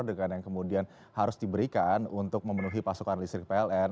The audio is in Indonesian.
dengan yang kemudian harus diberikan untuk memenuhi pasokan listrik pln